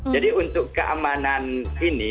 jadi untuk keamanan ini